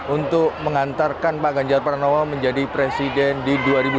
untuk mengantarkan pak ganjar pranowo menjadi presiden di dua ribu dua puluh